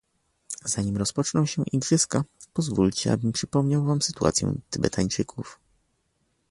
Zanim rozpoczną się igrzyska, pozwólcie abym przypomniał wam sytuację Tybetańczyków